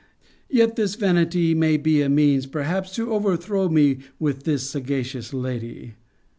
Yet this vanity may be a mean, perhaps, to overthrow me with this sagacious lady.